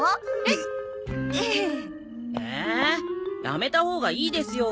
やめたほうがいいですよ。